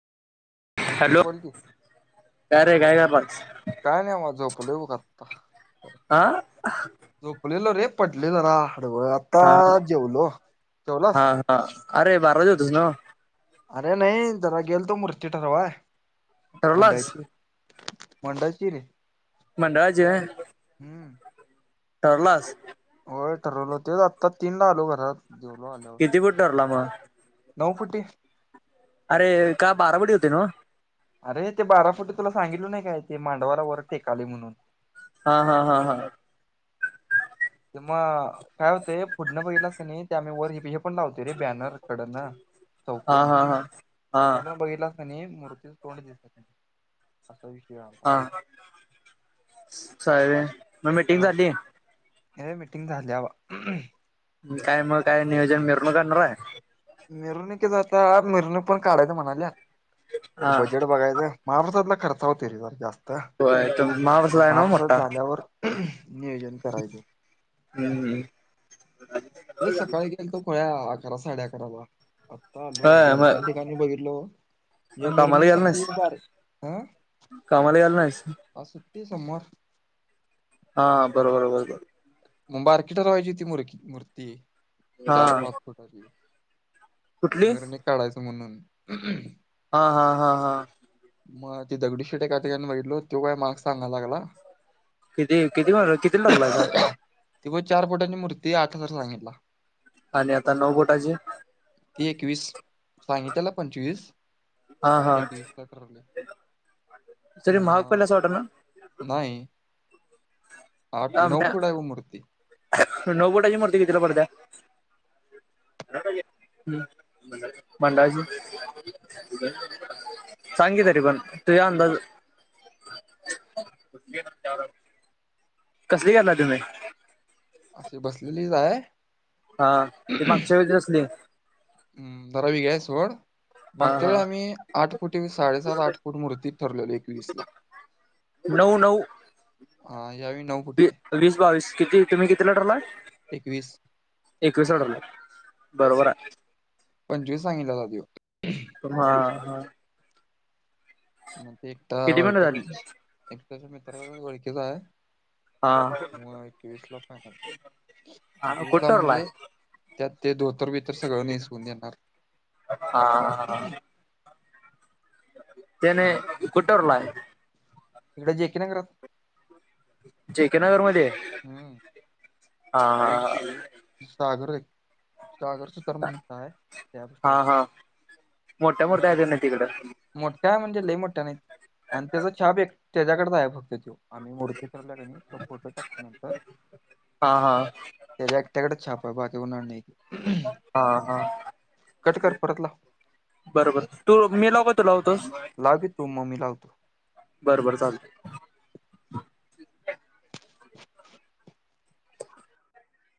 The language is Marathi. हॅलो बोल की का रे काय करायलास? काय नाही बाबा झोपलोय बघ आत्ता. हां झोपलेलो रे पडलोय जरा. आता जेवलो जेवलास अरे बाराला जेवतोस ना. अरे नाही जरा गेलतो मूर्ती ठरवाय ठरवलास मंडळाची. [unintelligible] ची मंडळाची होय. हम्म ठरवलास? होय ठरवल तेच आत्ता तीनला आलो घरात जेवलो आल्यावर, किती फूट ठरला मग नऊ फुटी. अरे का बाराफुटी [unintelligible] होती नव्ह. अरे ते बारा फुटी तुला सांगितल नाही काय ते मांडवाला वर टेकाली म्हणून हां हां हां हां ते मग काय होतय पुडन बघितलास का नाही ते आम्ही वर आपण लावते रे बॅनर इकडन हा चौकन हा हा हा समोरन बघलास. आणि एक मूर्तीच तोंड दिसल असा विषय आहे. हां सयरेंट. नऊ फूट हे मिटिंग झाल्यावर. काय मग काय नियोजन मिरणूकणार आहे. मिरणूकीच आता मिरवणूक पण काढायच म्हणाल्या हा बजेट बघायच. महा [unintelligible] खर्चावर केलेला जास्त. होय पण माणूसच मग आहे ना ओ महाप्रसाद मोठा. झाल्यावर नियोजन. करायचं हम्म हम्म ते सकाळी गेलतो पळ्या अकरा साडे अकराला आत्ता आलो होय दोन तीन मग ठिकाणी बघितलो. हे कामाला गेला मिरवणुकीसाठी नाहीस. बार ह कामाला गेला नाहीस? आज सुट्टी सोमवार. हा बरोबर बरोबर. म बारकी दरवाजा ती मर मूर्ती चार-पाच हा फुटाची. कुठली मीरुणीक नाही काढायचं म्हणून‌. हा हा हा हा. मग ती दगडीू शेटे एका त्याचन बघितलो तो काय माहाग सांगा लागला. किती किती किती ठरलायसा? तेव चार फुटाची मूर्ती आठ हजार सांगितला. आणि आता नऊ बोटाचे. ती एकवीस सांगितलेला पंचवीस. हा हा. एकवीसला ठरवले तरी महाग मग पडला असं वाट ना? नाही. आठ-नऊ फूट आहे बघ आमच्या मूर्ती. नऊ भुटाची मूर्ती कितीला पडत्या? [inaudible] मंडळाची? [inaudible] सांग की तरी पण तूझा अंदाजं. [inaudible] [unintelligible] कसली करणार तुम्ही? [inaudible] बसलेलीच आहे. हा ते मागच्या वेळे कशली. हम्म धरावी ग्या सोड. मागच्या हा वेळी आम्ही आठ फुट, साडेसात-आठ फूट मूर्तीत ठरलेलो एकवीसला. नऊ नऊ. हा यावेळी नऊ. फुटी वी आहे वीस-बावीस. किती तुम्ही कितीला ठरलाय? एकवीस. एकवीसला ठरलाय, बरोबर आहे. पंचवीस सांगितला का त्यो? हा हा. एकटा किती मिनिटं झाली ओळखीच [inaudible] एकटख [inaudible] ओळखीचा आहे. [inaudible] हा कुठं ठरलाय म्हणजे. त्यात ते दोतर-बितर सगळं नेसून येणार. हा [inaudible] त्याने थांब हं. कुठरलाय? इकडे जेके नगरात. जेके नगर मध्ये? हम्म हा हा. सागर [inaudible] सागर सु हा हा, मोठ्या-मोठया आहेते ना तिकड? मोठ्या म्हणजे लई मोठ्या नाहीत आणि त्याचा छाप एक त्याच्याकड आहे फक्त. आणि् मूर्ती ठरल्या कणी तो फोटो टाकते नंतर. हा हा [inaudible] त्याझ एकट्याकडच चाप आहे बाकी [unintelligible] नाही. हा हा, कट कर परत लाव [inaudible] बरोबर तू मी लाऊ का तू लावतोस? लाव की तू मग मी लावतो [inaudible] बर बर चालत. [inaudible]